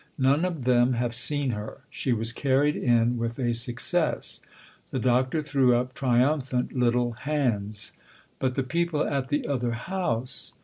None of them have seen her. She was carried in with a success !" The Doctor threw up trium phant little hands. " But the people at the other house